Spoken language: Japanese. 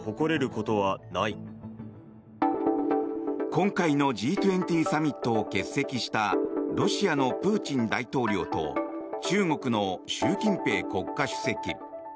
今回のＧ２０サミットを欠席したロシアのプーチン大統領と中国の習近平国家主席。